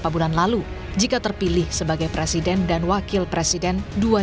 berapa bulan lalu jika terpilih sebagai presiden dan wakil presiden dua ribu dua puluh empat dua ribu dua puluh sembilan